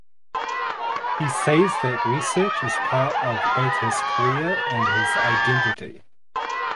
He says that research is part of both his career and his identity.